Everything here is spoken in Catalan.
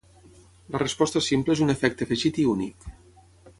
La resposta simple és un efecte afegit i únic.